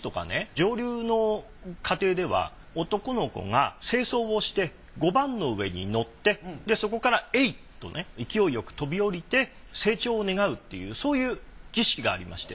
上流の家庭では男の子が正装をして碁盤の上に乗ってそこからえいっ！とね勢いよく飛び降りて成長を願うっていうそういう儀式がありまして。